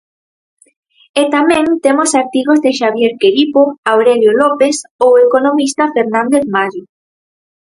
E tamén temos artigos de Xabier Queripo, Aurélio Lópes ou o economista Fernández Mallo.